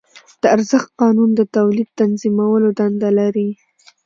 د ارزښت قانون د تولید تنظیمولو دنده لري